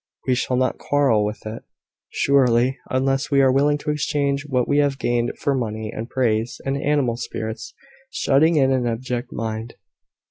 We shall not quarrel with it, surely, unless we are willing to exchange what we have gained for money, and praise, and animal spirits, shutting in an abject mind."